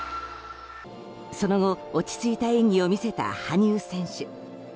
その後落ち着いた演技を見せた羽生選手